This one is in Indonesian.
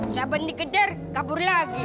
siapa dikejar kabur lagi